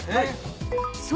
はい。